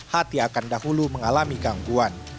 hati akan dahulu mengalami gangguan